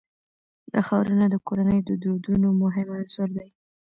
دا ښارونه د کورنیو د دودونو مهم عنصر دی.